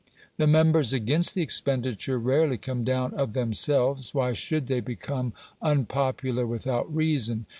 The members against the expenditure rarely come down of themselves; why should they become unpopular without reason?